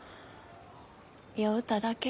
酔うただけ。